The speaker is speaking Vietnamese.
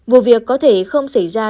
vụ việc có thể không xảy ra